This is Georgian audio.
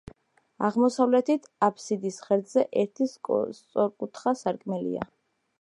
აღმოსავლეთით აფსიდის ღერძზე ერთი სწორკუთხა სარკმელია.